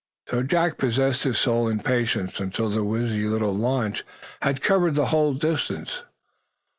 So Jack possessed his soul in patience until the wheezy little launch had covered the whole distance.